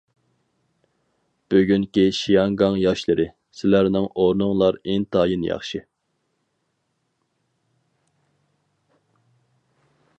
بۈگۈنكى شياڭگاڭ ياشلىرى، سىلەرنىڭ ئورنۇڭلار ئىنتايىن ياخشى.